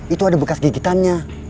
itu ada bekas gigitannya